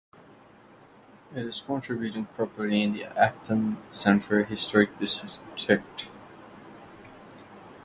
It is contributing property in the Acton Centre Historic District.